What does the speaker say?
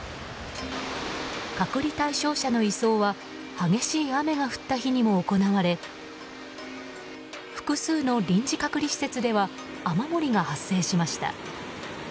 隔離対象者の移送は激しい雨が降った日にも行われ複数の臨時隔離施設では雨漏りが発生しました。